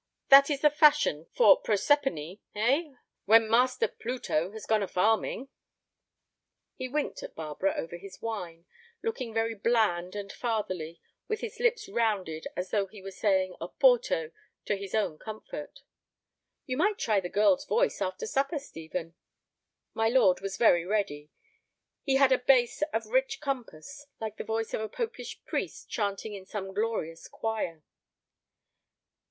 That is the fashion for Proserpine, eh, when Master Pluto has gone a farming?" He winked at Barbara over his wine, looking very bland and fatherly, with his lips rounded as though he were saying "Oporto" to his own comfort. "You might try the girl's voice after supper, Stephen." My lord was very ready. He had a bass of rich compass, like the voice of a popish priest chanting in some glorious choir.